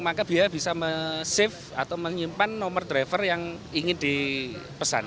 maka dia bisa menyimpan nomor driver yang ingin dipesan